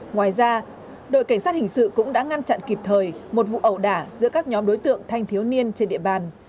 ngoài ra đội cảnh sát hình sự cũng đã ngăn chặn kịp thời một vụ ẩu đả giữa các nhóm đối tượng thanh thiếu niên trên địa bàn